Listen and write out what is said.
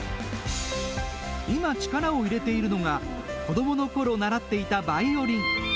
今力を入れているのが、子どものころ習っていたバイオリン。